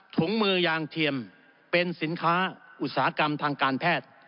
ถุงมือยางเทียมเป็นสินค้าอุตสาหกรรมทางการแพทย์